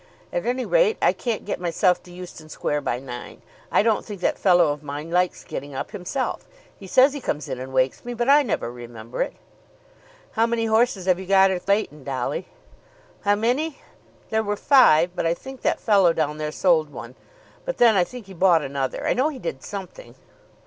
At any rate I can't get myself to Euston Square by nine. I don't think that fellow of mine likes getting up himself. He says he comes in and wakes me, but I never remember it." "How many horses have you got at Leighton, Dolly?" "How many? There were five, but I think that fellow down there sold one; but then I think he bought another. I know he did something."